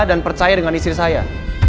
dan percaya dengan istri saya